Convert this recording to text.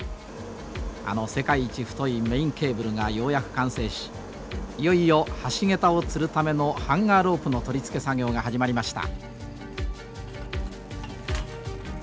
あの世界一太いメインケーブルがようやく完成しいよいよ橋桁をつるためのハンガー・ロープの取り付け作業が始まりました。